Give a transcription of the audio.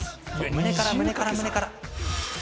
胸から胸から胸から。